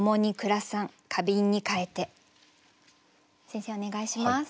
先生お願いします。